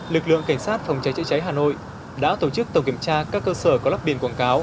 lực lượng cảnh sát phòng cháy chữa cháy hà nội đã tổ chức tổng kiểm tra các cơ sở có lắp biển quảng cáo